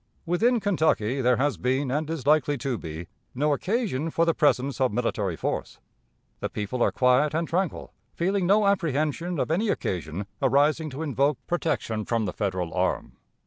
"Within Kentucky there has been, and is likely to be, no occasion for the presence of military force. The people are quiet and tranquil, feeling no apprehension of any occasion arising to invoke protection from the Federal arm.